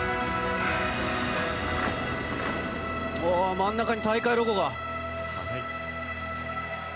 真ん中に、大会のロゴが。